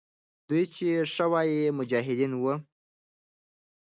دوی چې ښه وایي، مجاهدین وو.